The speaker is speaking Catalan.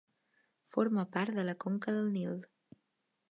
Forma part de la conca del Nil.